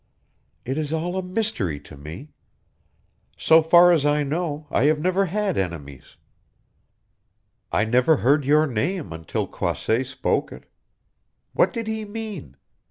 It is all a mystery to me. So far as I know I have never had enemies. I never heard your name until Croisset spoke it. What did he mean?